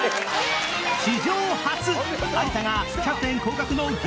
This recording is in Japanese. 史上初有田がキャプテン降格の激